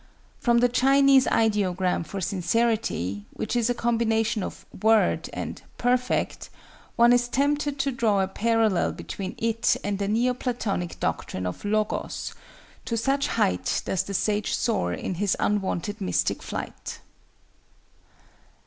From the Chinese ideogram for Sincerity, which is a combination of "Word" and "Perfect," one is tempted to draw a parallel between it and the Neo Platonic doctrine of Logos—to such height does the sage soar in his unwonted mystic flight.